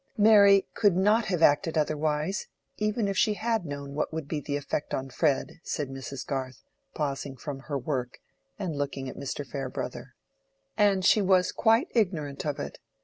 "Mary could not have acted otherwise, even if she had known what would be the effect on Fred," said Mrs. Garth, pausing from her work, and looking at Mr. Farebrother. "And she was quite ignorant of it.